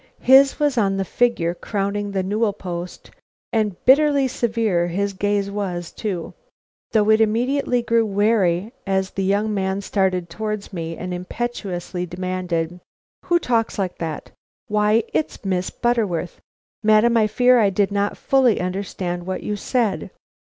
His was on the figure crowning the newel post, and bitterly severe his gaze was too, though it immediately grew wary as the young man started towards me and impetuously demanded: "Who talks like that? Why, it's Miss Butterworth. Madam, I fear I did not fully understand what you said."